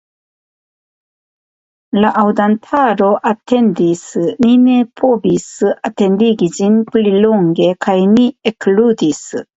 La aŭdantaro atendis; ni ne povis atendigi ĝin pli longe, kaj ni ekludis.